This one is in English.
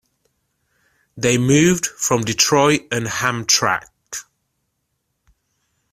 They moved from Detroit and Hamtramck.